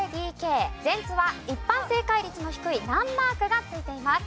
全ツは一般正解率の低い難マークがついています。